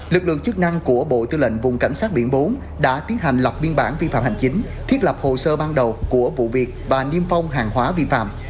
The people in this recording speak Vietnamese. lực lượng chức năng của bộ tư lệnh vùng cảnh sát biển bốn đã tiến hành lập biên bản vi phạm hành chính thiết lập hồ sơ ban đầu của vụ việc và niêm phong hàng hóa vi phạm